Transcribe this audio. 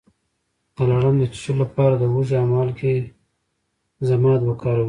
د لړم د چیچلو لپاره د هوږې او مالګې ضماد وکاروئ